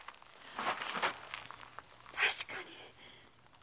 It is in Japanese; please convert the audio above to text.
確かに！